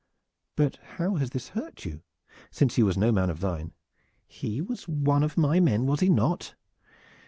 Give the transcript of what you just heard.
"But how has this hurt you, since he was no man of thine?" "He was one of my men, was he not?